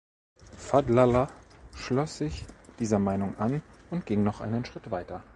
Fadlallah schloss sich dieser Meinung an und ging noch einen Schritt weiter.